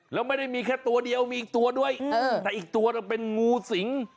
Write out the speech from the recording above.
แล้วไม่ได้มีแค่ตัวเดียวมีอีกตัวด้วยแต่อีกตัวเป็นงูสิง